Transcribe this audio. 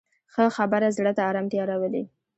ښه خبره زړه ته ارامتیا راولي